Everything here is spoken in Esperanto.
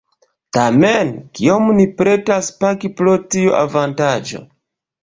Tamen, kiom ni pretas pagi pro tiu avantaĝo?